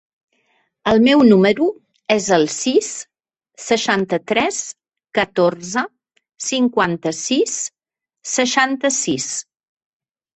El meu número es el sis, seixanta-tres, catorze, cinquanta-sis, seixanta-sis.